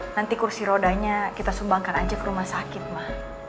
nanti kursi rodanya kita sumbangkan aja ke rumah sakit mah